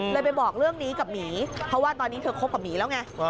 ไปบอกเรื่องนี้กับหมีเพราะว่าตอนนี้เธอคบกับหมีแล้วไง